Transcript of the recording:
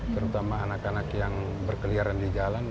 terutama anak anak yang berkeliaran di jalan